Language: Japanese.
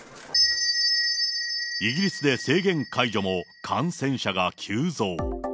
イギリスで制限解除も、感染者が急増。